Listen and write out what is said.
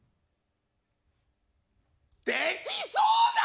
できそうだな！